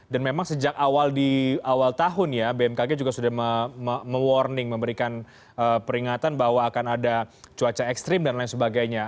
dan memang sejak awal di awal tahun ya bmkg juga sudah me warning memberikan peringatan bahwa akan ada cuaca ekstrim dan lain sebagainya